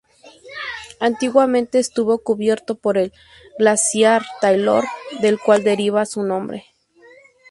Antiguamente estuvo cubierto por el glaciar Taylor, del cual deriva su nombre.